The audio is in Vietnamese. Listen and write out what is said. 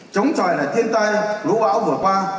chống tròi lại thiên tai lũ bão vừa qua